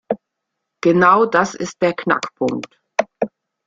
Genau das ist der Knackpunkt.